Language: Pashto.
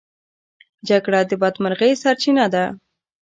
جګړه د بدمرغۍ سرچينه ده.